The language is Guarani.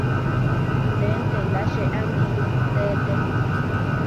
Ndénte la che angirũ teete.